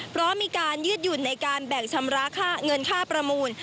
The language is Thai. เพราะมีการยืดหยุ่นในการแบ่งชำระเงินค่าประมูล